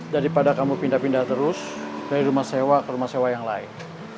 daripada kamu pindah pindah terus dari rumah sewa ke rumah sewa yang lain